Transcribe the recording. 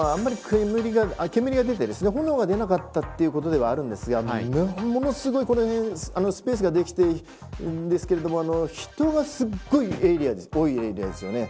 煙が出て炎が出なかったということではありますがものすごい、この辺スペースができているんですが人がすごい多いエリアですよね。